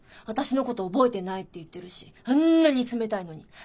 私のこと覚えてないって言ってるしあんなに冷たいのに。